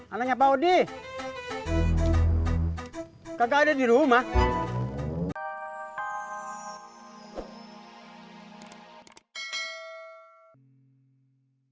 anaknya pak odi kagak ada di rumah